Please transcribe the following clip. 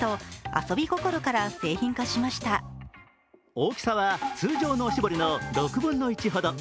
大きさは通常のおしぼりの６分の１ほど。